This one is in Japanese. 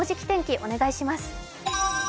お願いします。